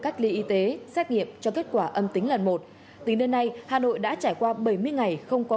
cách ly y tế xét nghiệm cho kết quả âm tính lần một tính đến nay hà nội đã trải qua bảy mươi ngày không có